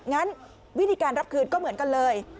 งั้นวิธีการรับคืนก็เหมือนกันเลย